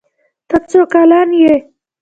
ته څو کلن یې؟